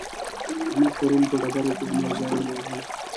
احمد پرون په ډبره کې زما ځای وواهه.